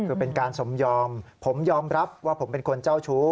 คือเป็นการสมยอมผมยอมรับว่าผมเป็นคนเจ้าชู้